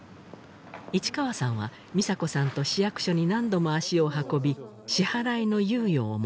市川さんは美砂子さんと市役所に何度も足を運び支払いの猶予を求めます